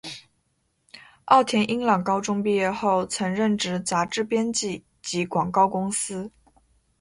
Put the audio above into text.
奥田英朗高中毕业后曾任职杂志编辑及广告公司。